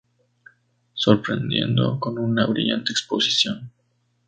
sorprendiendo con una brillante exposición